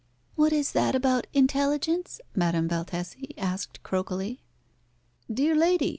"What is that about intelligence?" Madame Valtesi asked croakily. "Dear Lady!"